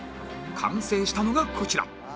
完成したのがこちら